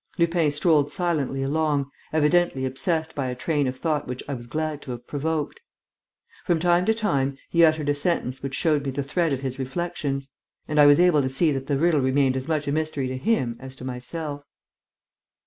Lupin strolled silently along, evidently obsessed by a train of thought which I was glad to have provoked. From time to time, he uttered a sentence which showed me the thread of his reflections; and I was able to see that the riddle remained as much a mystery to him as to myself.